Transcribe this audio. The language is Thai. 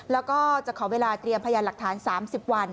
แล้วก็จะขอเวลาเตรียมพยานหลักฐาน๓๐วัน